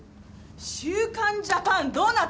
『週刊ジャパン』どうなってんの？